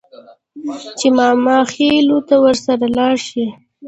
چې ماماخېلو ته ورسره لاړه شي.